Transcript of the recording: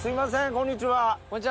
こんにちは！